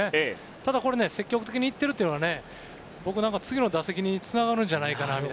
ただ積極的にいっているのは次の打席につながるんじゃないかと。